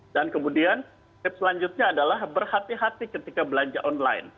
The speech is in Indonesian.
dan kemudian tip selanjutnya adalah berhati hati ketika belanja online